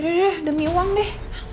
yaudah ya demi uang deh